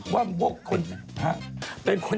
พี่ปุ้ยลูกโตแล้ว